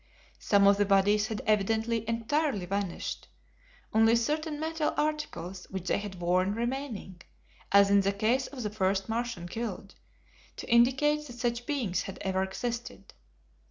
Some of the bodies had evidently entirely vanished; only certain metal articles which they had worn remaining, as in the case of the first Martian killed, to indicate that such beings had ever existed.